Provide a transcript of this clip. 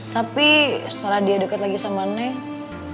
tapi setelah dia deket lagi sama need